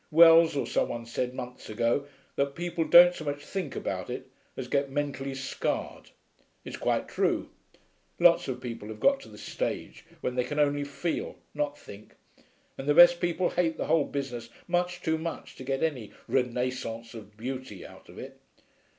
Wells or some one said months ago that people don't so much think about it as get mentally scarred. It's quite true. Lots of people have got to the stage when they can only feel, not think. And the best people hate the whole business much too much to get any 'renascence of beauty' out of it.